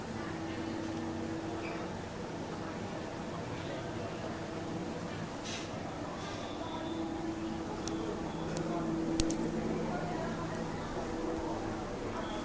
สวัสดีครับสวัสดีครับ